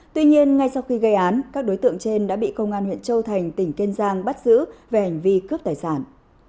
tuy nhiên ngay sau khi gây án các đối tượng trên đã bị công an huyện châu thành tỉnh kiên giang bắt giữ về hành vi cướp tài sản